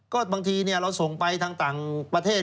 ก็บางทีเนี่ยเราส่งไปทั้งต่างประเทศ